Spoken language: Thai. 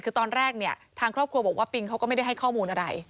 คือตอนแรกเนี่ยทางครอบครัวบอกว่าปิงเขาก็ไม่ได้ให้ข้อมูลอะไร